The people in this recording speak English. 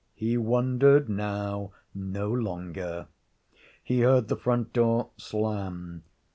He wondered now no longer. He heard the front door slam.